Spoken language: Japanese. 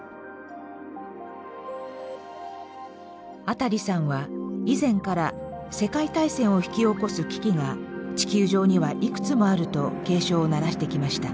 アタリさんは以前から世界大戦を引き起こす危機が地球上にはいくつもあると警鐘を鳴らしてきました。